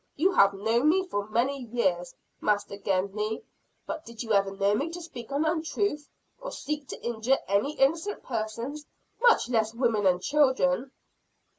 You have known me for many years, Master Gedney, but did you ever know me to speak an untruth, or seek to injure any innocent persons, much less women and children?"